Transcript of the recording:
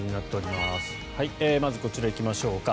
まず、こちら行きましょうか。